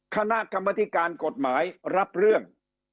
คณะกรรมธิการกฎหมายรับเรื่อง